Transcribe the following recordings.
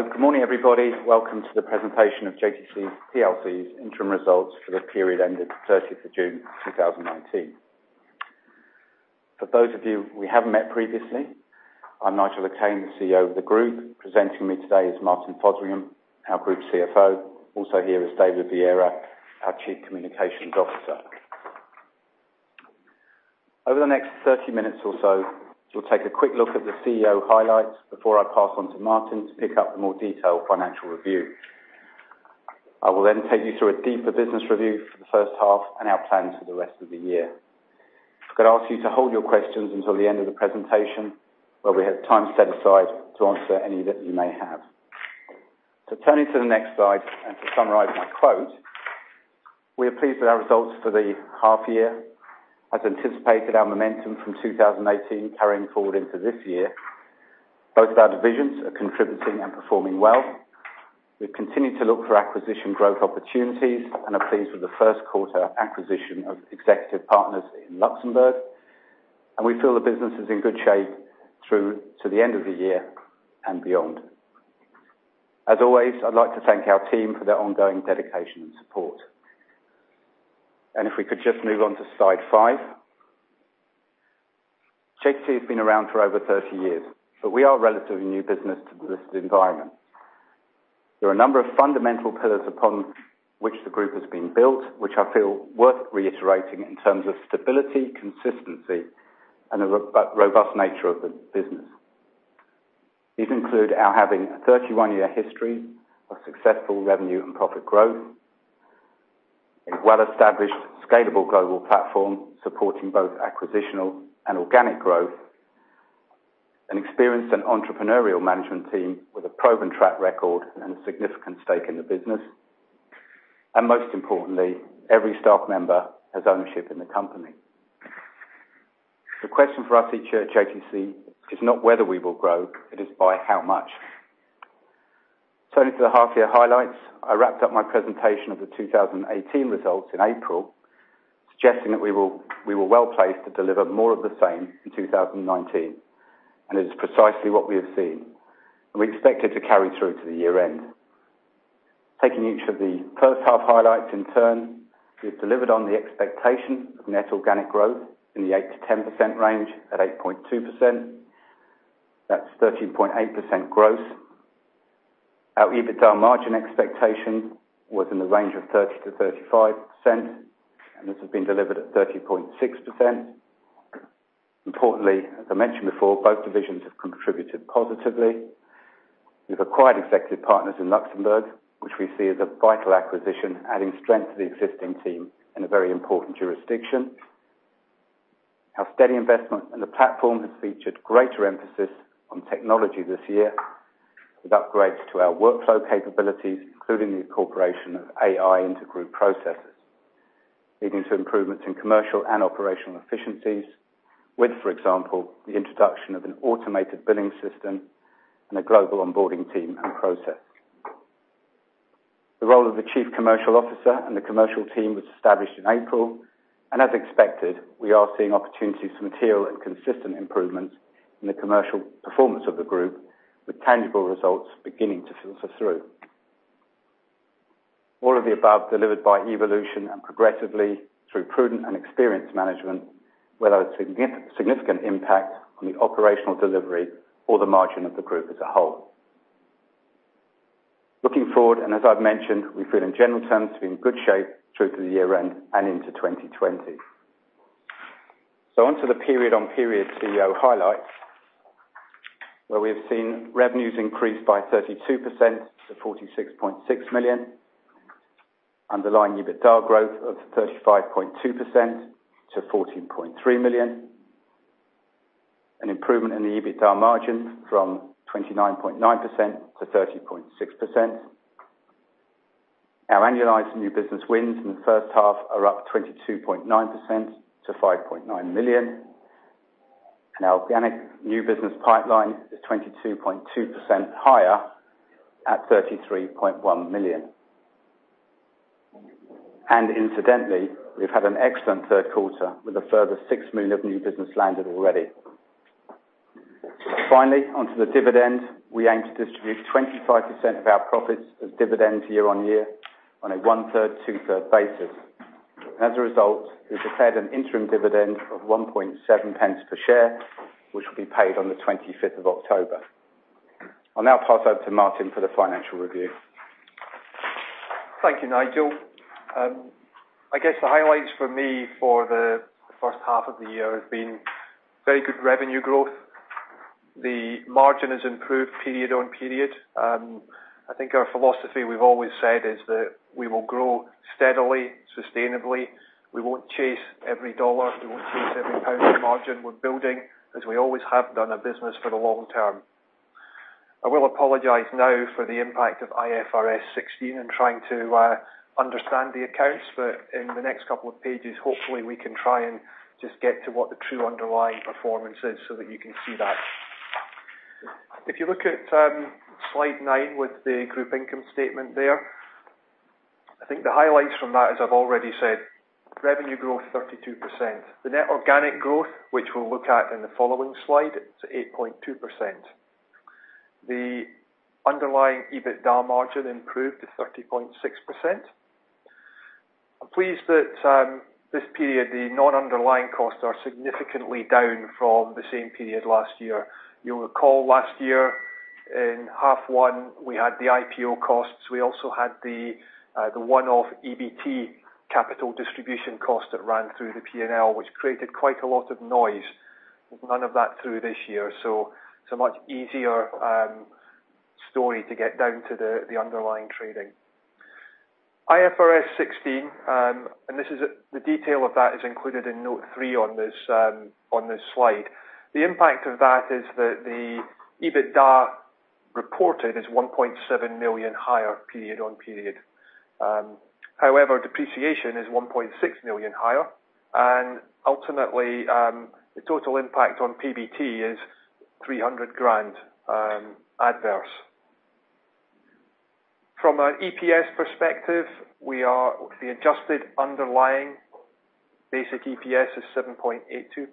Good morning, everybody. Welcome to the presentation of JTC PLC's interim results for the period ended 30th of June 2019. For those of you we haven't met previously, I'm Nigel Le Quesne, the CEO of the group. Presenting with me today is Martin Fotheringham, our group CFO. Also here is David Vieira, our Chief Communications Officer. Over the next 30 minutes or so, we'll take a quick look at the CEO highlights before I pass on to Martin to pick up the more detailed financial review. I will take you through a deeper business review for the first half and our plans for the rest of the year. If I could ask you to hold your questions until the end of the presentation, where we have time set aside to answer any that you may have. Turning to the next slide and to summarize my quote. We are pleased with our results for the half year. As anticipated, our momentum from 2018 is carrying forward into this year. Both of our divisions are contributing and performing well. We continue to look for acquisition growth opportunities and are pleased with the first quarter acquisition of Exceutive Partners in Luxembourg. We feel the business is in good shape through to the end of the year and beyond. As always, I'd like to thank our team for their ongoing dedication and support. If we could just move on to slide five. JTC has been around for over 30 years. We are a relatively new business to the listed environment. There are a number of fundamental pillars upon which the group has been built, which I feel worth reiterating in terms of stability, consistency and the robust nature of the business. These include our having a 31-year history of successful revenue and profit growth, a well-established, scalable global platform supporting both acquisitional and organic growth, an experienced and entrepreneurial management team with a proven track record and a significant stake in the business. Most importantly, every staff member has ownership in the company. The question for us here at JTC is not whether we will grow, it is by how much. Turning to the half year highlights. I wrapped up my presentation of the 2018 results in April, suggesting that we were well-placed to deliver more of the same in 2019. It is precisely what we have seen, and we expect it to carry through to the year end. Taking each of the first half highlights in turn, we have delivered on the expectation of net organic growth in the 8%-10% range at 8.2%. That's 13.8% gross. Our EBITDA margin expectation was in the range of 30%-35%, and this has been delivered at 30.6%. Importantly, as I mentioned before, both divisions have contributed positively. We've acquired Exceutive Partners in Luxembourg, which we see as a vital acquisition, adding strength to the existing team in a very important jurisdiction. Our steady investment in the platform has featured greater emphasis on technology this year, with upgrades to our workflow capabilities, including the incorporation of AI into group processes, leading to improvements in commercial and operational efficiencies with, for example, the introduction of an automated billing system and a global onboarding team and process. The role of the Chief Commercial Officer and the commercial team was established in April, and as expected, we are seeing opportunities for material and consistent improvements in the commercial performance of the group with tangible results beginning to filter through. All of the above delivered by evolution and progressively through prudent and experienced management without a significant impact on the operational delivery or the margin of the group as a whole. Looking forward, as I've mentioned, we feel in general terms we're in good shape through to the year end and into 2020. On to the period-on-period CEO highlights, where we have seen revenues increase by 32% to 46.6 million, underlying EBITDA growth of 35.2% to 14.3 million, an improvement in the EBITDA margin from 29.9% to 30.6%. Our annualized new business wins in the first half are up 22.9% to 5.9 million, and our organic new business pipeline is 22.2% higher at 33.1 million. Incidentally, we've had an excellent third quarter with a further 6 million of new business landed already. Finally, on to the dividend. We aim to distribute 25% of our profits as dividends year on year on a one-third, two-third basis. As a result, we've declared an interim dividend of 0.017 per share, which will be paid on the 25th of October. I'll now pass over to Martin for the financial review. Thank you, Nigel. I guess the highlights for me for the first half of the year have been very good revenue growth. The margin has improved period on period. I think our philosophy we've always said is that we will grow steadily, sustainably. We won't chase every dollar. We won't chase every pound of margin we're building, as we always have done a business for the long term. I will apologize now for the impact of IFRS 16 and trying to understand the accounts. In the next couple of pages, hopefully we can try and just get to what the true underlying performance is so that you can see that. If you look at slide nine with the group income statement there. I think the highlights from that, as I've already said, revenue growth 32%. The net organic growth, which we'll look at in the following slide, is 8.2%. The underlying EBITDA margin improved to 30.6%. I'm pleased that this period, the non-underlying costs are significantly down from the same period last year. You'll recall last year in half one, we had the IPO costs. We also had the one-off EBT capital distribution cost that ran through the P&L, which created quite a lot of noise. None of that through this year. It's a much easier story to get down to the underlying trading. IFRS 16, and the detail of that is included in note three on this slide. The impact of that is that the EBITDA reported is 1.7 million higher period on period. However, depreciation is 1.6 million higher. Ultimately, the total impact on PBT is 300,000 adverse. From an EPS perspective, the adjusted underlying basic EPS is 0.0782,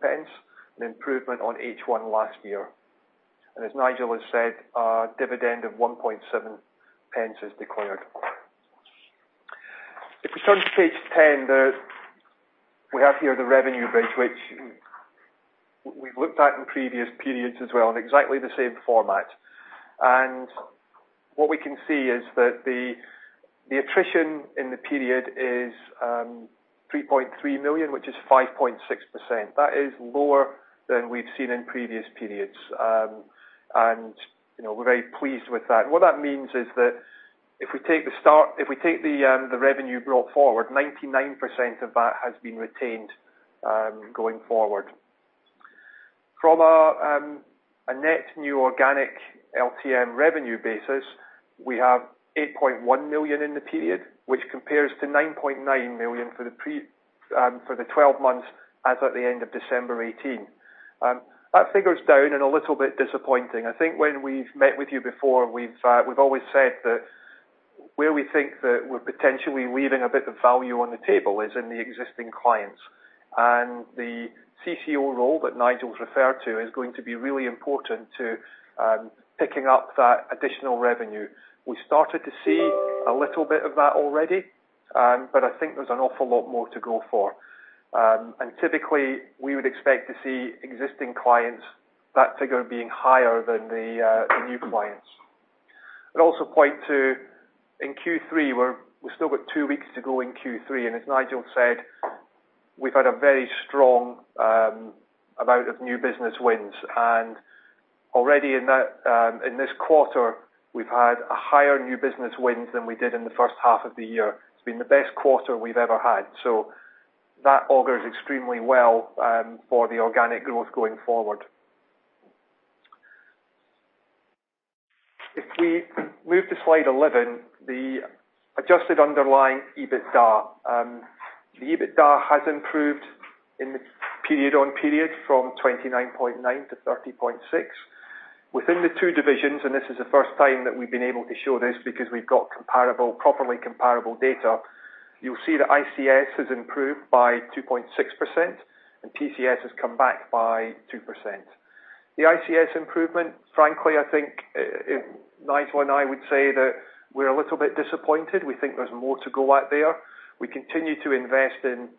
an improvement on H1 last year. As Nigel has said, our dividend of 0.017 is declared. If we turn to page 10, we have here the revenue bridge, which we've looked at in previous periods as well in exactly the same format. What we can see is that the attrition in the period is 3.3 million, which is 5.6%. That is lower than we've seen in previous periods. We're very pleased with that. What that means is that if we take the revenue brought forward, 99% of that has been retained going forward. From a net new organic LTM revenue basis, we have 8.1 million in the period, which compares to 9.9 million for the 12 months as at the end of December 2018. That figure's down and a little bit disappointing. I think when we've met with you before, we've always said that where we think that we're potentially leaving a bit of value on the table is in the existing clients. The CCO role that Nigel's referred to is going to be really important to picking up that additional revenue. We started to see a little bit of that already. I think there's an awful lot more to go for. Typically, we would expect to see existing clients, that figure being higher than the new clients. I'd also point to in Q3, we've still got two weeks to go in Q3, and as Nigel said, we've had a very strong amount of new business wins. Already in this quarter, we've had higher new business wins than we did in the first half of the year. It's been the best quarter we've ever had. That augurs extremely well for the organic growth going forward. If we move to slide 11, the adjusted underlying EBITDA. The EBITDA has improved in the period on period from 29.9 to 30.6. Within the two divisions, and this is the first time that we've been able to show this because we've got properly comparable data, you'll see that ICS has improved by 2.6% and PCS has come back by 2%. The ICS improvement, frankly, I think Nigel and I would say that we're a little bit disappointed. We think there's more to go at there. We continue to invest in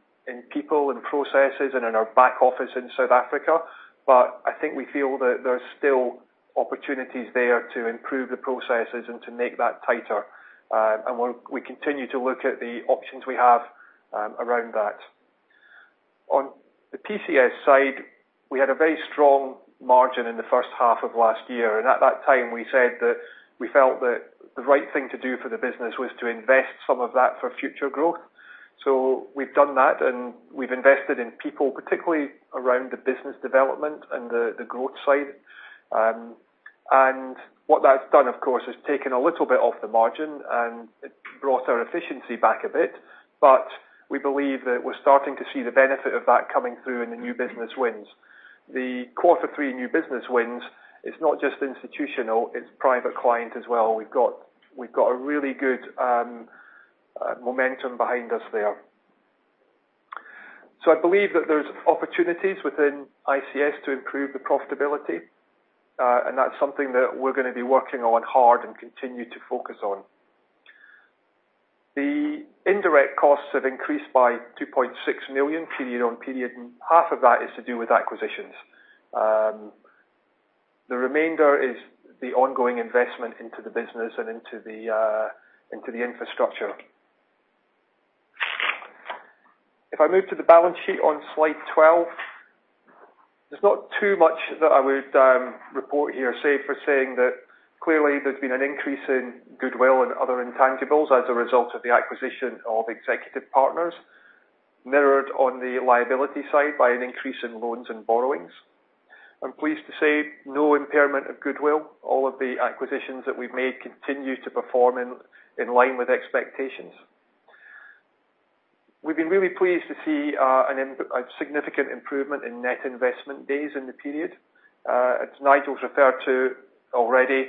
people and processes and in our back office in South Africa. I think we feel that there's still opportunities there to improve the processes and to make that tighter. We continue to look at the options we have around that. On the PCS side, we had a very strong margin in the first half of last year, at that time we said that we felt that the right thing to do for the business was to invest some of that for future growth. We've done that, we've invested in people, particularly around the business development and the growth side. What that's done, of course, is taken a little bit off the margin, it brought our efficiency back a bit. We believe that we're starting to see the benefit of that coming through in the new business wins. The Q3 new business wins, it's not just institutional, it's private client as well. We've got a really good momentum behind us there. I believe that there's opportunities within ICS to improve the profitability. That's something that we're going to be working on hard and continue to focus on. The indirect costs have increased by 2.6 million period on period, and half of that is to do with acquisitions. The remainder is the ongoing investment into the business and into the infrastructure. If I move to the balance sheet on slide 12, there's not too much that I would report here save for saying that clearly there's been an increase in goodwill and other intangibles as a result of the acquisition of Exequtive Partners, mirrored on the liability side by an increase in loans and borrowings. I'm pleased to say no impairment of goodwill. All of the acquisitions that we've made continue to perform in line with expectations. We've been really pleased to see a significant improvement in net investment days in the period. As Nigel's referred to already,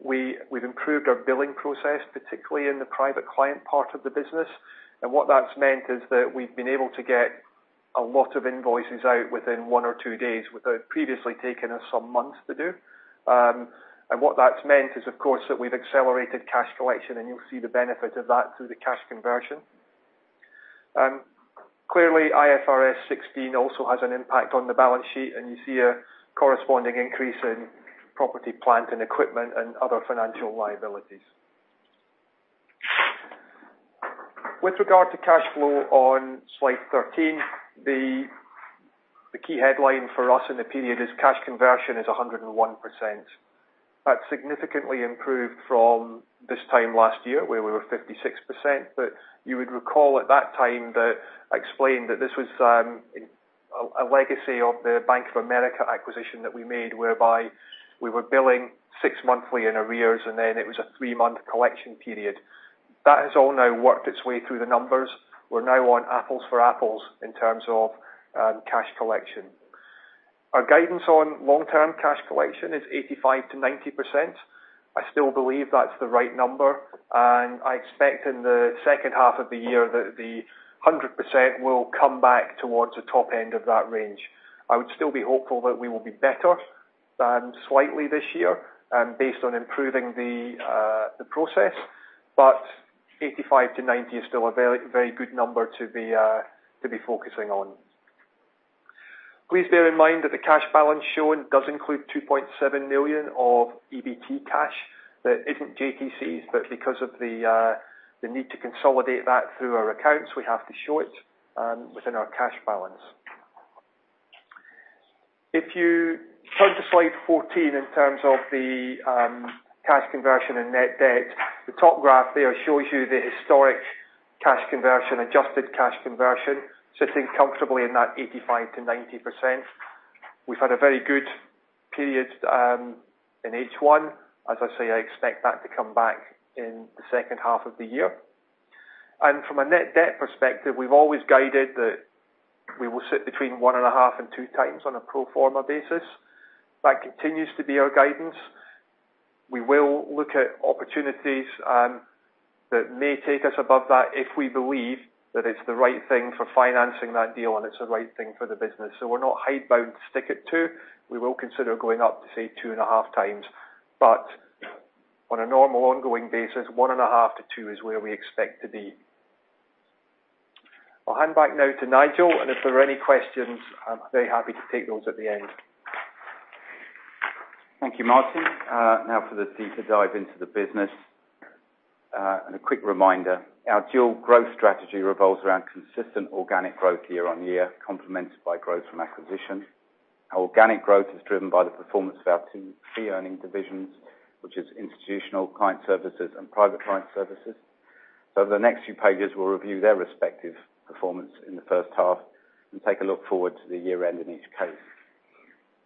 we've improved our billing process, particularly in the Private Client part of the business. What that's meant is that we've been able to get a lot of invoices out within one or two days, which had previously taken us some months to do. What that's meant is, of course, that we've accelerated cash collection, and you'll see the benefit of that through the cash conversion. Clearly, IFRS 16 also has an impact on the balance sheet, and you see a corresponding increase in property, plant, and equipment and other financial liabilities. With regard to cash flow on Slide 13, the key headline for us in the period is cash conversion is 101%. That's significantly improved from this time last year, where we were 56%, but you would recall at that time that I explained that this was a legacy of the Bank of America acquisition that we made, whereby we were billing 6 monthly in arrears, and then it was a 3-month collection period. That has all now worked its way through the numbers. We're now on apples for apples in terms of cash collection. Our guidance on long-term cash collection is 85%-90%. I still believe that's the right number, and I expect in the second half of the year that the 100% will come back towards the top end of that range. I would still be hopeful that we will be better than slightly this year, based on improving the process. 85%-90% is still a very good number to be focusing on. Please bear in mind that the cash balance shown does include 2.7 million of EBT cash that isn't JTC's, but because of the need to consolidate that through our accounts, we have to show it within our cash balance. If you turn to Slide 14 in terms of the cash conversion and net debt, the top graph there shows you the historic cash conversion, adjusted cash conversion, sitting comfortably in that 85%-90%. We've had a very good period in H1. As I say, I expect that to come back in the second half of the year. From a net debt perspective, we've always guided that we will sit between 1.5 and 2 times on a pro forma basis. That continues to be our guidance. We will look at opportunities that may take us above that if we believe that it's the right thing for financing that deal and it's the right thing for the business. We're not hidebound stick at two. We will consider going up to, say, two and a half times. On a normal ongoing basis, one and a half to two is where we expect to be. I'll hand back now to Nigel, and if there are any questions, I'm very happy to take those at the end. Thank you, Martin. Now for the deeper dive into the business. A quick reminder, our dual growth strategy revolves around consistent organic growth year on year, complemented by growth from acquisition. Our organic growth is driven by the performance of our two fee earning divisions, which is Institutional Client Services and Private Client Services. Over the next few pages, we'll review their respective performance in the first half and take a look forward to the year end in each case.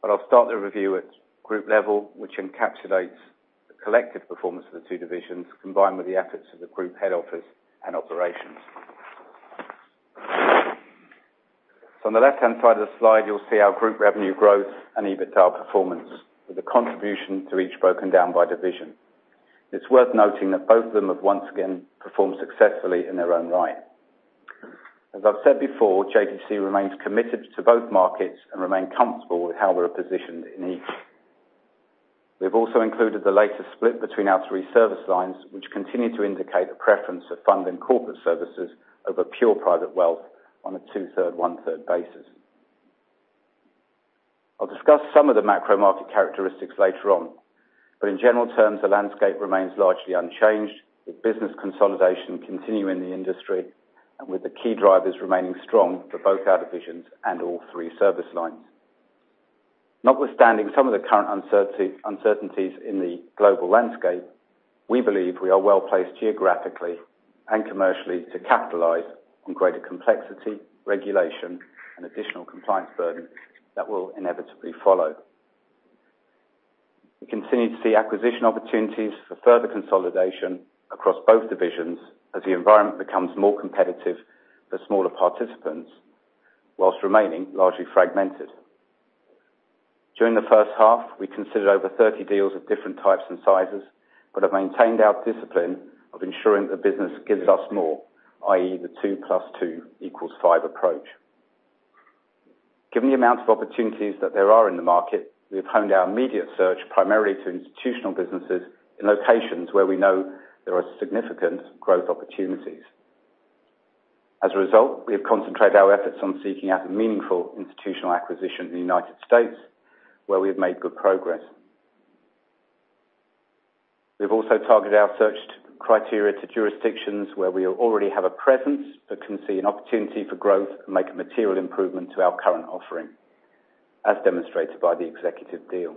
I'll start the review at group level, which encapsulates the collective performance of the two divisions, combined with the efforts of the group head office and operations. On the left-hand side of the slide, you'll see our group revenue growth and EBITDA performance with a contribution to each broken down by division. It's worth noting that both of them have once again performed successfully in their own right. As I've said before, JTC remains committed to both markets and remain comfortable with how we're positioned in each. We've also included the latest split between our three service lines, which continue to indicate a preference of fund and corporate services over pure private wealth on a two-third, one-third basis. I'll discuss some of the macro market characteristics later on. In general terms, the landscape remains largely unchanged with business consolidation continuing in the industry and with the key drivers remaining strong for both our divisions and all three service lines. Notwithstanding some of the current uncertainties in the global landscape, we believe we are well-placed geographically and commercially to capitalize on greater complexity, regulation, and additional compliance burdens that will inevitably follow. We continue to see acquisition opportunities for further consolidation across both divisions as the environment becomes more competitive for smaller participants while remaining largely fragmented. During the first half, we considered over 30 deals of different types and sizes. Have maintained our discipline of ensuring the business gives us more, i.e. the two plus two equals five approach. Given the amount of opportunities that there are in the market, we have honed our immediate search primarily to institutional businesses in locations where we know there are significant growth opportunities. As a result, we have concentrated our efforts on seeking out a meaningful institutional acquisition in the United States, where we have made good progress. We've also targeted our search criteria to jurisdictions where we already have a presence but can see an opportunity for growth and make a material improvement to our current offering, as demonstrated by the Exequtive deal.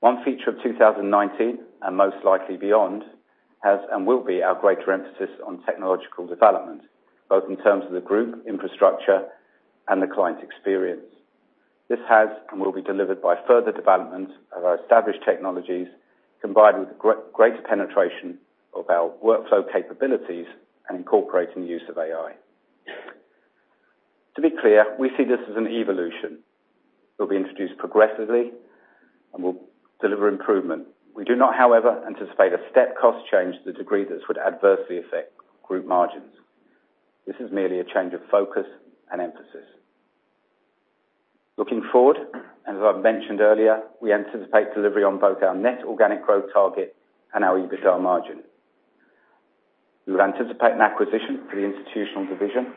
One feature of 2019, and most likely beyond, has and will be our greater emphasis on technological development, both in terms of the group infrastructure and the client experience. This has and will be delivered by further development of our established technologies, combined with greater penetration of our workflow capabilities and incorporating the use of AI. To be clear, we see this as an evolution. It will be introduced progressively and will deliver improvement. We do not, however, anticipate a step cost change to the degree that it would adversely affect group margins. This is merely a change of focus and emphasis. Looking forward, as I mentioned earlier, we anticipate delivery on both our net organic growth target and our EBITDA margin. We would anticipate an acquisition for the Institutional division.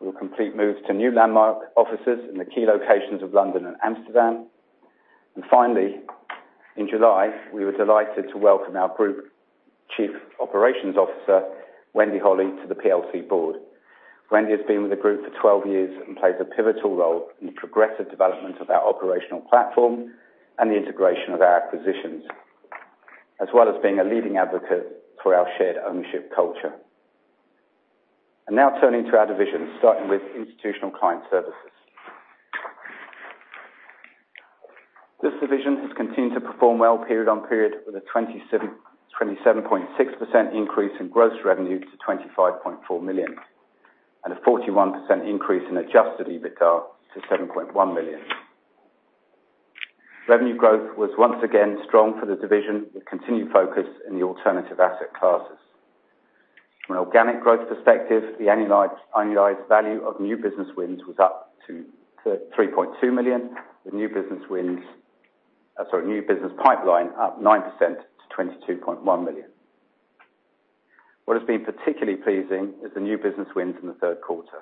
We will complete moves to new landmark offices in the key locations of London and Amsterdam. Finally, in July, we were delighted to welcome our Group Chief Operations Officer, Wendy Holley, to the PLC board. Wendy has been with the group for 12 years and plays a pivotal role in the progressive development of our operational platform and the integration of our acquisitions, as well as being a leading advocate for our shared ownership culture. Now turning to our divisions, starting with Institutional Client Services. This division has continued to perform well period on period with a 27.6% increase in gross revenue to 25.4 million, and a 41% increase in adjusted EBITDA to 7.1 million. Revenue growth was once again strong for the division, with continued focus in the alternative asset classes. From an organic growth perspective, the annualized value of new business wins was up to 3.2 million. The new business pipeline up 9% to 22.1 million. What has been particularly pleasing is the new business wins in the third quarter,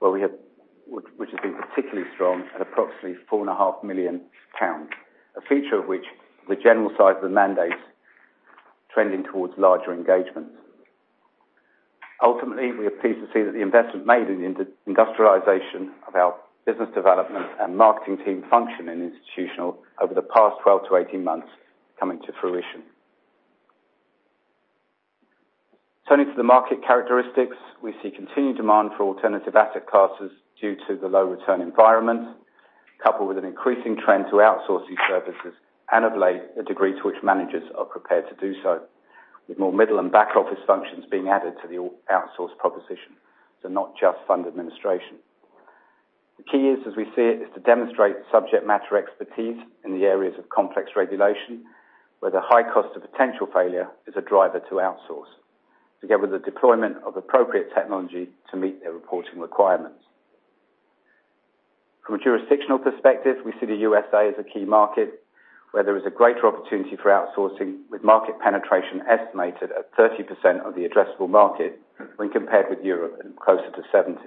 which has been particularly strong at approximately 4.5 million pounds, a feature of which the general size of the mandate trending towards larger engagements. Ultimately, we are pleased to see that the investment made in the industrialization of our business development and marketing team function in Institutional over the past 12 to 18 months coming to fruition. Turning to the market characteristics, we see continued demand for alternative asset classes due to the low return environment, coupled with an increasing trend to outsourcing services and of late, the degree to which managers are prepared to do so, with more middle and back office functions being added to the outsourced proposition. Not just fund administration. The key is, as we see it, is to demonstrate subject matter expertise in the areas of complex regulation, where the high cost of potential failure is a driver to outsource, together with the deployment of appropriate technology to meet their reporting requirements. From a jurisdictional perspective, we see the USA as a key market where there is a greater opportunity for outsourcing, with market penetration estimated at 30% of the addressable market when compared with Europe and closer to 70%.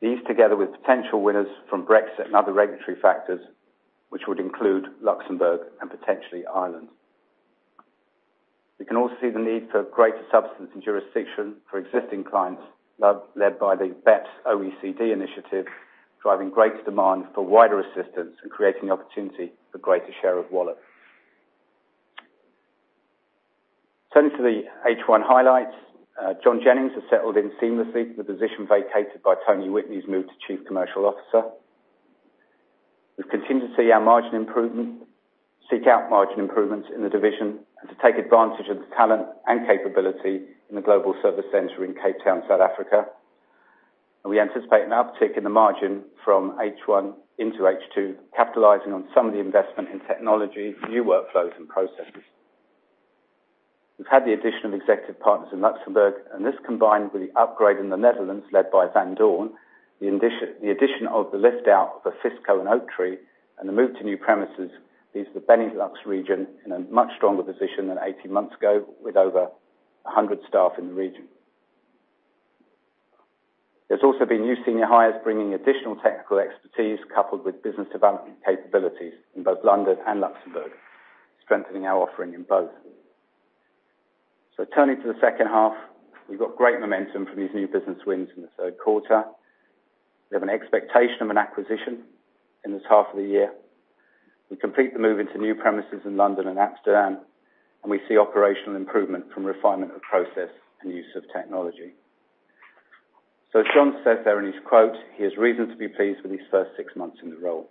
These together with potential winners from Brexit and other regulatory factors, which would include Luxembourg and potentially Ireland. We can also see the need for greater substance and jurisdiction for existing clients, led by the BEPS OECD Initiative, driving greater demand for wider assistance and creating the opportunity for greater share of wallet. Turning to the H1 highlights. John Jennings has settled in seamlessly the position vacated by Tony Whitney's move to Chief Commercial Officer. We continue to see our margin improvement, seek out margin improvements in the division, to take advantage of the talent and capability in the global service center in Cape Town, South Africa. We anticipate an uptick in the margin from H1 into H2, capitalizing on some of the investment in technology, new workflows, and processes. We've had the addition of Exequtive Partners in Luxembourg, this combined with the upgrade in the Netherlands led by Van Doorne, the addition of the lift-out of Fisco and Oaktree, and the move to new premises, leaves the Benelux region in a much stronger position than 18 months ago with over 100 staff in the region. There's also been new senior hires bringing additional technical expertise coupled with business development capabilities in both London and Luxembourg, strengthening our offering in both. Turning to the second half, we've got great momentum from these new business wins in the third quarter. We have an expectation of an acquisition in this half of the year. We complete the move into new premises in London and Amsterdam, we see operational improvement from refinement of process and use of technology. As John said there in his quote, he has reason to be pleased with his first six months in the role.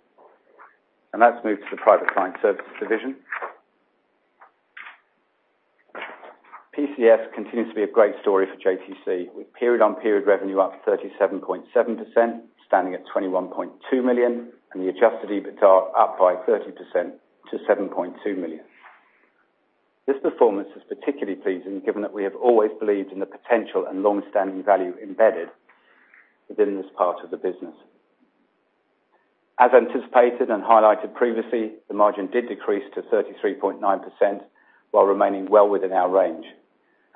Let's move to the Private Client Services division. PCS continues to be a great story for JTC, with period-on-period revenue up 37.7%, standing at 21.2 million, and the adjusted EBITDA up by 30% to 7.2 million. This performance is particularly pleasing given that we have always believed in the potential and long-standing value embedded within this part of the business. As anticipated and highlighted previously, the margin did decrease to 33.9% while remaining well within our range,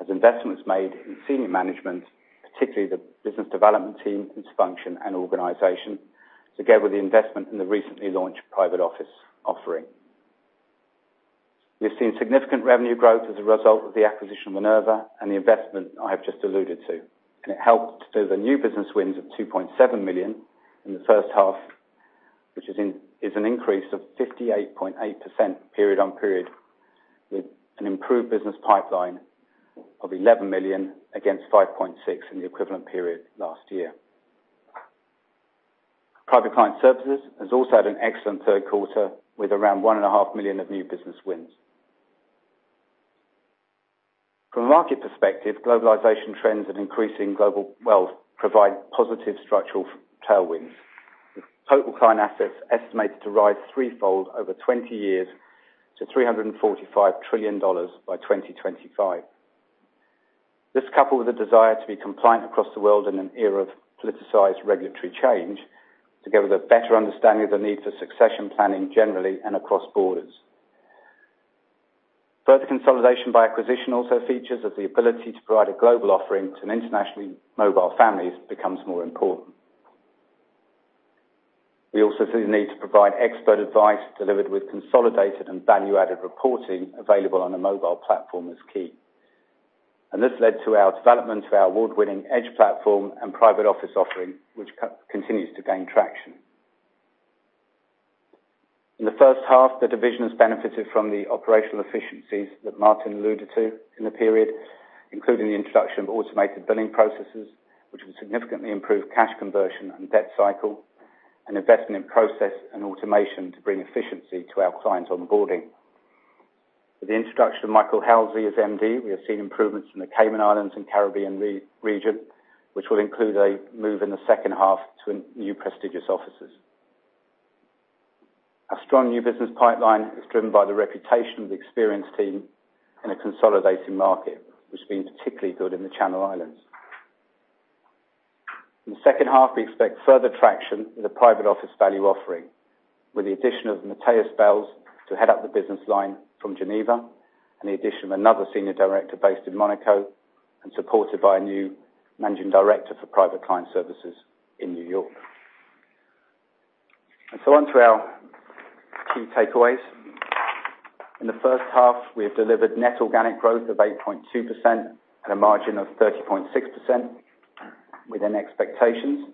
as investments made in senior management, particularly the business development team, its function, and organization, together with the investment in the recently launched Private Office offering. We've seen significant revenue growth as a result of the acquisition of Minerva Trust and the investment I have just alluded to, and it helped through the new business wins of 2.7 million in the first half, which is an increase of 58.8% period on period, with an improved business pipeline of 11 million against 5.6 million in the equivalent period last year. Private Client Services has also had an excellent third quarter with around 1.5 million of new business wins. From a market perspective, globalization trends and increasing global wealth provide positive structural tailwinds, with total client assets estimated to rise threefold over 20 years to $345 trillion by 2025. This coupled with a desire to be compliant across the world in an era of politicized regulatory change, together with a better understanding of the need for succession planning generally and across borders. Further consolidation by acquisition also features as the ability to provide a global offering to internationally mobile families becomes more important. We also see the need to provide expert advice delivered with consolidated and value-added reporting available on a mobile platform as key. This led to our development of our award-winning Edge platform and Private Office offering, which continues to gain traction. In the first half, the division has benefited from the operational efficiencies that Martin alluded to in the period, including the introduction of automated billing processes, which will significantly improve cash conversion and debt cycle, and investment in process and automation to bring efficiency to our clients onboarding. With the introduction of Michael Halsey as MD, we have seen improvements from the Cayman Islands and Caribbean region, which will include a move in the second half to new prestigious offices. Our strong new business pipeline is driven by the reputation of the experienced team in a consolidating market, which has been particularly good in the Channel Islands. In the second half, we expect further traction with the private office value offering, with the addition of Matthias Belz to head up the business line from Geneva, and the addition of another senior director based in Monaco and supported by a new managing director for Private Client Services in New York. On to our key takeaways. In the first half, we have delivered net organic growth of 8.2% and a margin of 30.6%, within expectations.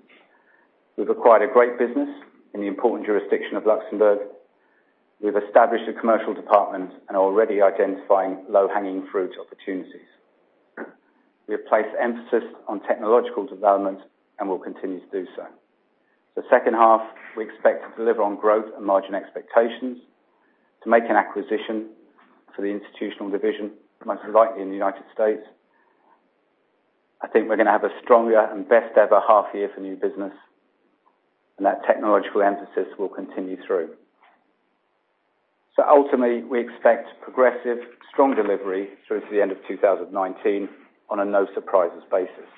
We've acquired a great business in the important jurisdiction of Luxembourg. We've established a commercial department and are already identifying low-hanging fruit opportunities. We have placed emphasis on technological development and will continue to do so. The second half we expect to deliver on growth and margin expectations, to make an acquisition for the Institutional division, most likely in the U.S. I think we're going to have a stronger and best ever half year for new business, and that technological emphasis will continue through. Ultimately, we expect progressive, strong delivery through to the end of 2019 on a no surprises basis.